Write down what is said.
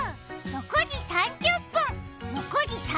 ６時３０分！